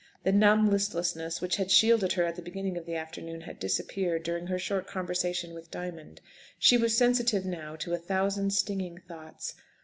The numb listlessness which had shielded her at the beginning of the afternoon had disappeared during her short conversation with Diamond. She was sensitive now to a thousand stinging thoughts.